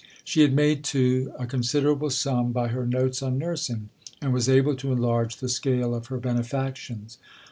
She had made, too, a considerable sum by her Notes on Nursing, and was able to enlarge the scale of her benefactions.